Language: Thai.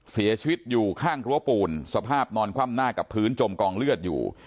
เสียชีวิตอยู่ข้างรั้วปูนสภาพนอนคว่ำหน้ากับพื้นจมกองเลือดอยู่